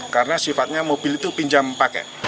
karena sifatnya mobil itu pinjam pakai